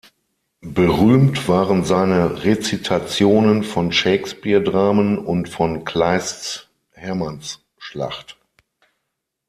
Berühmt waren seine Rezitationen von Shakespeare-Dramen und von Kleists "Hermannsschlacht".